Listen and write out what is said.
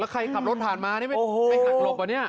ใครขับรถผ่านมานี่ไม่หักหลบว่ะเนี่ย